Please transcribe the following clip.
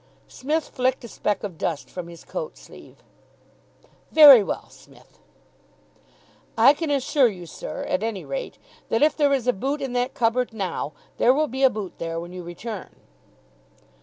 Psmith flicked a speck of dust from his coat sleeve. "Very well, Smith." "I can assure you, sir, at any rate, that if there is a boot in that cupboard now, there will be a boot there when you return."